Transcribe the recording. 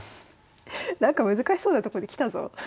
なんか難しそうなとこできたぞ。